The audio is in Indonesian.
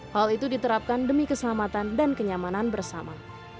hal itu diterapkan demi keselamatan dan kenyamanan bersama